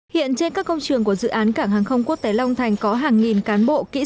hiện trên các công trường của dự án cảng hàng không quốc tế long thành có hàng nghìn cán bộ